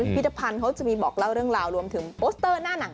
พิธภัณฑ์เขาจะมีบอกเล่าเรื่องราวรวมถึงโปสเตอร์หน้าหนัง